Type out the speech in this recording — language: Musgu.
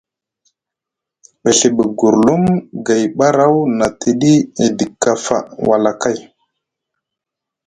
E Ɵibi gurlum gay ɓaraw na tiɗi edi kafa wala kay.